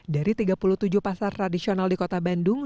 dari tiga puluh tujuh pasar tradisional di kota bandung